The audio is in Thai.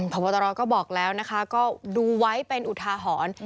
พระพัตรร้อยก็บอกแล้วนะคะก็ดูไว้เป็นอุทหาหอน